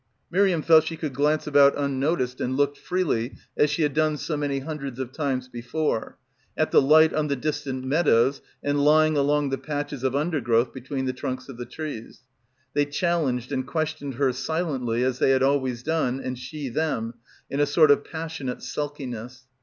Miriam felt she could glance about unno — 205 — PILGRIMAGE ticed and looked freely, as she had done so many hundreds of times before, at the ligfat on the dis tant meadows and lying along the patches of undergrowth between the trunks of the trees. They challenged and questioned her silently as they had always done and she them, in a sort of passionate sulkiness.